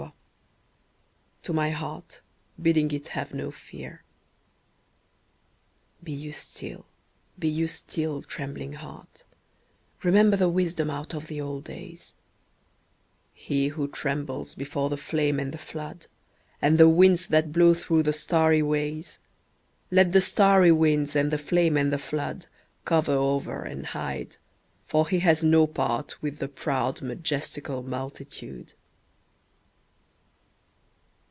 30 TO MY HEART, BIDDING IT HAVE NO FEAR Be you still, be you still, trembling heart; Remember the wisdom out of the old days : He who trembles before the flame and the flood, And the tvinds that blow through the starry ways, Let the starry winds and the flame and Cover over and hide, for he has no part With the proud, majestical multitude.